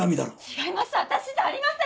違います